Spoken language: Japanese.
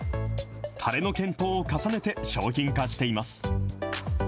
たれの検討を重ねて、商品化しています。